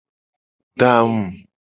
Da angu.